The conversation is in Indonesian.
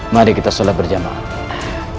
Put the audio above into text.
mari kita sholat berjamaah